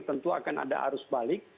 tentu akan ada arus balik